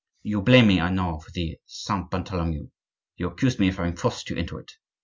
You blame me, I know, for the Saint Bartholomew; you accuse me of having forced you into it.